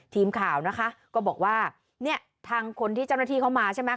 ทีมข่าวนะคะก็บอกว่าเนี่ยทางคนที่เจ้าหน้าที่เขามาใช่ไหม